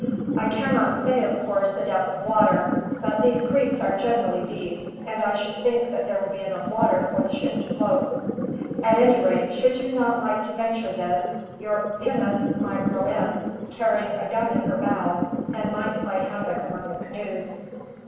I cannot say, of course, the depth of water; but these creeks are generally deep, and I should think that there would be enough water for the ship to float. At any rate, should you not like to venture this, your pinnace might row in, carrying a gun in her bow, and might play havoc among the canoes.